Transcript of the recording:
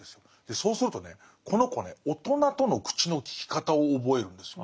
そうするとねこの子ね大人との口の利き方を覚えるんです。